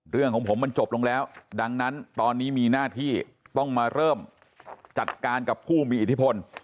เรื่องของผมมันจบลงแล้วดังนั้นตอนนี้มีหน้าที่ต้องมาเริ่มจัดการกับผู้มีอิทธิพล